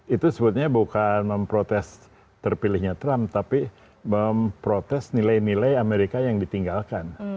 itu sebetulnya bukan memprotes terpilihnya trump tapi memprotes nilai nilai amerika yang ditinggalkan